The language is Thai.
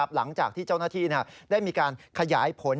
หลังจากที่เจ้าหน้าที่ได้มีการขยายผล